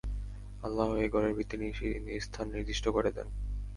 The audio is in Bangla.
আল্লাহ এ ঘরের ভিত্তি স্থান নির্দিষ্ট করে দেন।